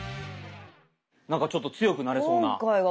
なんかちょっと強くなれそうな企画。